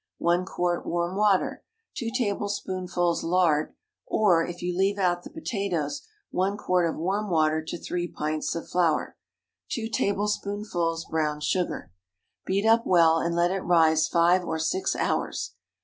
1 quart warm water. 2 tablespoonfuls lard (or, if you leave out the potatoes, one quart of warm water to three pints of flour). 2 tablespoonfuls brown sugar. Beat up well and let it rise five or six hours.